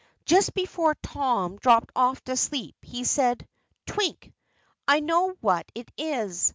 Just before Tom dropped off to sleep he said: "Twink, I know what it is.